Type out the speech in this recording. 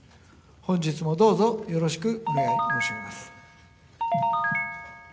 本日もどうぞよろしくお願い申し上げます。